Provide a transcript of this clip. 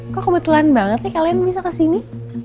kok kebetulan banget sih kalian bisa kesini